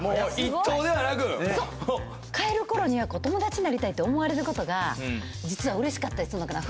帰るころには友達になりたいって思われることが実は嬉しかったりするのかな